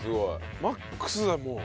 マックスだもう。